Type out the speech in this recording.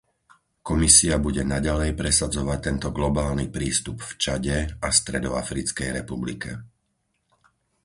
Komisia bude naďalej presadzovať tento globálny prístup v Čade a Stredoafrickej republike.